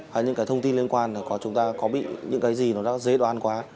hay những cái thông tin liên quan là chúng ta có bị những cái gì nó đã dễ đoán quá